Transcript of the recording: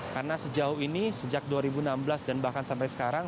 karena sejauh ini sejak dua ribu enam belas dan bahkan sampai sekarang